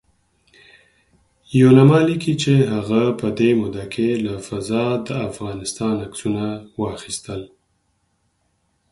یوناما لیکلي چې هغه په دې موده کې له فضا د افغانستان عکسونه واخیستل